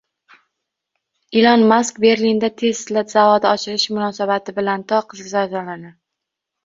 Ilon Mask Berlinda Tesla zavodi ochilishi munosabati bilanto´qqizming kishiga bazm uyushtirdi